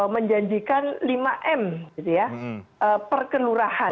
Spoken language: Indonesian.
menjanjikan lima m gitu ya perkelurahan